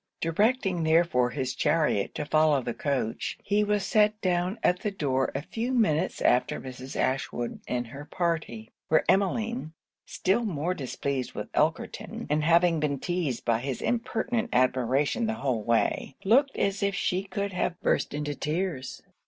Directing therefore his chariot to follow the coach, he was set down at the door a few minutes after Mrs. Ashwood and her party; where Emmeline, still more displeased with Elkerton, and having been teized by his impertinent admiration the whole way, looked as if she could have burst into tears.